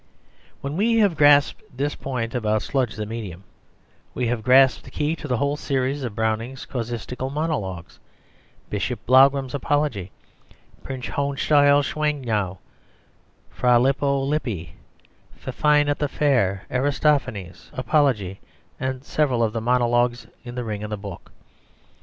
When we have grasped this point about "Sludge the Medium," we have grasped the key to the whole series of Browning's casuistical monologues Bishop Blaugram's Apology, Prince Hohenstiel Schwangau, Fra Lippo Lippi, Fifine at the Fair, Aristophanes' Apology, and several of the monologues in The Ring and the Book.